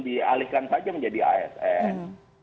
dialihkan saja menjadi asn